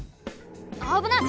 あぶない！